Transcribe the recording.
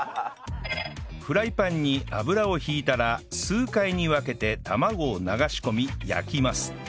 フライパンに油を引いたら数回に分けて卵を流し込み焼きます